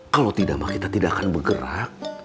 kalau tidak kita tidak akan bergerak